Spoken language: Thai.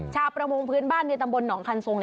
ชาวประมงพื้นบ้านในตำบลหนองคันทรง